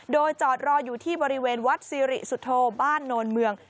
โดยจอดรออยู่ที่บริเวณวัดสิริสุโธบ้านโนนเมือง